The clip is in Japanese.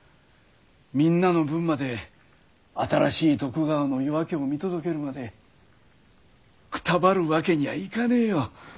みんなの分まで新しい徳川の夜明けを見届けるまでくたばるわけにはいかねえよ。